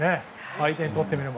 相手にとってみれば。